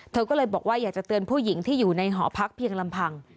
เธอก็เลยบอกว่าอยากจะเตือนผู้หญิงที่อยู่ในหอพักเพียงลำพัง